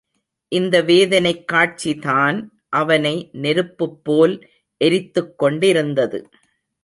இந்த வேதனைக் காட்சிதான் அவனை நெருப்புப் போல் எரித்துக் கொண்டிருந்தது.